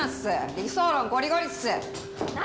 理想論ゴリゴリっす何？